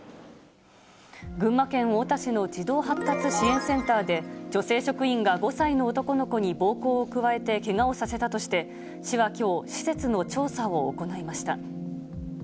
群馬県太田市の児童発達支援センターで、女性職員が５歳の男の子に暴行を加えてけがをさせたとして、市はきょう、施設の調査を行いました。